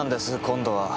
今度は。